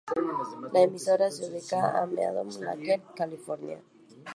La emisora se ubica en Meadow Lakes, California.